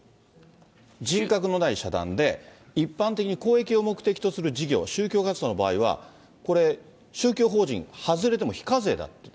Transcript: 人格のない社団で、一般的に公益を目的とする事業、宗教活動の場合は、これ、宗教法人外れても非課税だって。